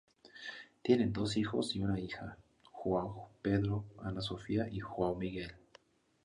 Tienen dos hijos y una hija: João Pedro, Ana Sofia y João Miguel.